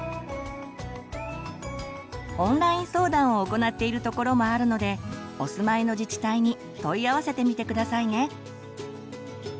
オンライン相談を行っている所もあるのでお住まいの自治体に問い合わせてみて下さいね。